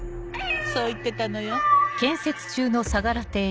そう言ってたのよ。